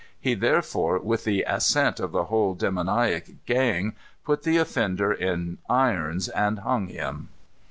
He therefore, with the assent of the whole demoniac gang, put the offender in irons and hung him.